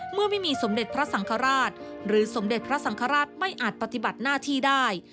เมื่อไม่มีสมเด็จพระสังฆราชหรือสมเด็จพระสังฆราชไม่อาจปฏิบัติหน้าที่ได้